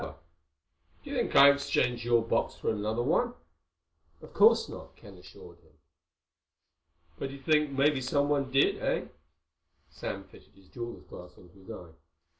Do you think I exchanged your box for another one?" "Of course not," Ken assured him. "But you think maybe someone did, eh?" Sam fitted his jeweler's glass into his eye.